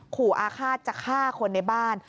ขู่อาฆาตจะฆ่าคนในบ้าน